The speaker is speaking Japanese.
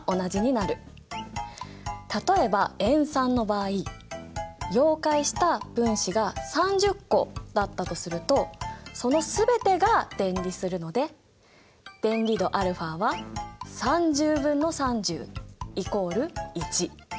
例えば塩酸の場合溶解した分子が３０個だったとするとその全てが電離するので電離度αは３０分の３０イコール１。